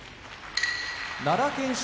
奈良県出